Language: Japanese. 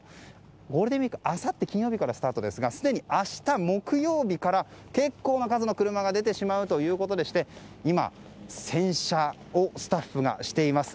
ゴールデンウィークはあさって金曜日からスタートですがすでに明日、木曜日から結構な数の車が出てしまうということでして今、洗車をスタッフがしています。